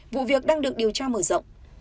vụ việc đang được điều tra mở rộng